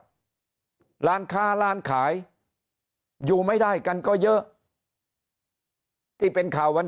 ร้านค้าร้านขายอยู่ไม่ได้กันก็เยอะที่เป็นข่าววัน